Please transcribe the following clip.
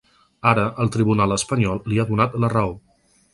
Ara, el tribunal espanyol li ha donat la raó.